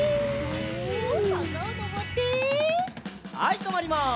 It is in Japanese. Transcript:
はいとまります。